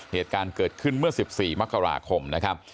เหตุการณ์เกิดขึ้นเมื่อ๑๔มกราคมนะครับ